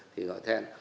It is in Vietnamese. thì gọi then